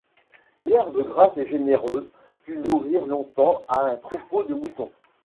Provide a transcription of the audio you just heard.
L'herbe grasse et généreuse put nourrir longtemps un troupeau de moutons.